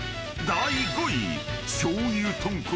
［第５位］